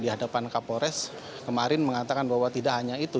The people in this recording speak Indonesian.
di hadapan kapolres kemarin mengatakan bahwa tidak hanya itu